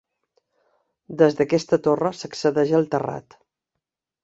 Des d'aquesta torre s'accedeix al terrat.